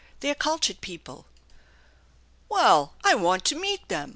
They're cultured people." " Well, I want to meet them.